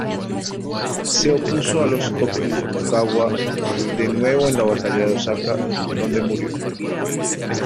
Se opuso a los "Tokugawa" de nuevo en la batalla de Osaka, donde murió.